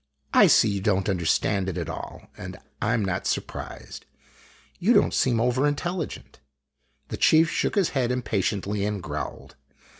I see you don't understand it at all, and I 'in not surprised. You don't seem over intelligent." The chief shook his head impatiently and growled.